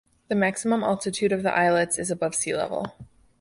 The maximum altitude of the islets is above sea level.